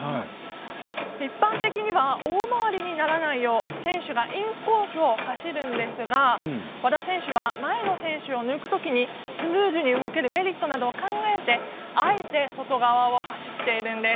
一般的には大回りにならないよう選手がインコースを走るんですが和田選手は前の選手を抜くときにスムーズに動けるメリットなどを考えてあえて外側を走っているんです。